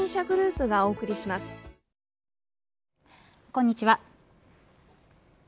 こんにちは。